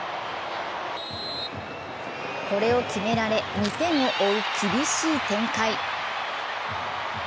これを決められ、２点を追う厳しい展開。